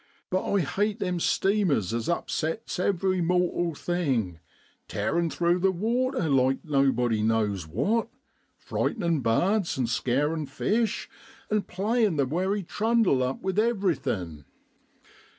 But I hate them steamers as upsets every mor tal thing, tearin' through the water like nobody knows what, frightenin' bards, an' scarin' fish, an' playin' the wery trundle up with everything.